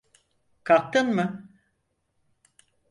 Kalktın mı?